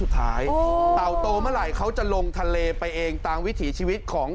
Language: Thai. แต่ประมาณจานกันไว้ว่า๑๐๐ฟอง